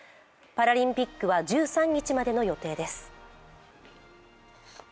パラリンピックは１３日までの予定です。